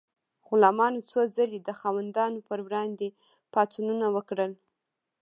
غلامانو څو ځلې د خاوندانو پر وړاندې پاڅونونه وکړل.